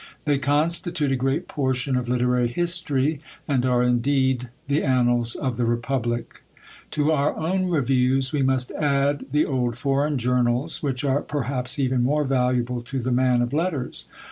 They constitute a great portion of literary history, and are indeed the annals of the republic. To our own reviews, we must add the old foreign journals, which are perhaps even more valuable to the man of letters.